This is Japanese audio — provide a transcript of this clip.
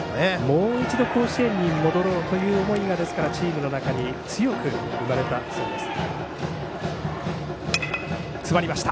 もう一度、甲子園に戻ろうという思いがチームの中に強く生まれたそうです。